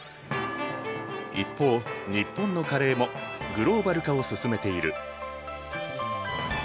一方日本のカレーもグローバル化を進めている。